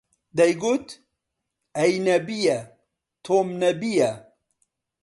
دەیگوت: ئەی نەبیە، تۆم نەبییە